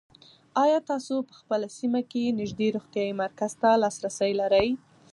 آیا تاسو په خپله سیمه کې نږدې روغتیایي مرکز ته لاسرسی لرئ؟